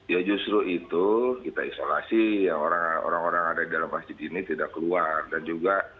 ya justru itu kita isolasi yang orang orang ada di dalam masjid ini tidak keluar dan juga